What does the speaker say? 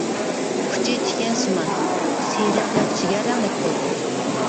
ئۇچى تىكەنسىمان، سېرىق ياكى جىگەر رەڭلىك بولىدۇ.